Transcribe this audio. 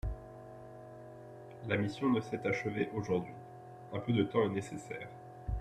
La mission ne s’est achevée aujourd’hui ; un peu de temps est nécessaire.